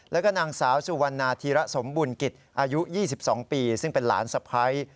แล้วก็นางสาวสุวรรณาธีระสมบุญกิจอายุ๒๒ปีซึ่งเป็นหลานสะพ้าย